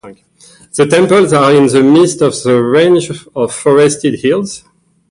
The temples are in the midst of a range of forested hills.